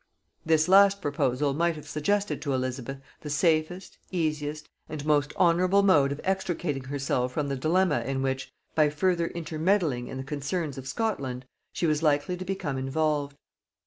This last proposal might have suggested to Elizabeth the safest, easiest, and most honorable mode of extricating herself from the dilemma in which, by further intermeddling in the concerns of Scotland, she was likely to become involved.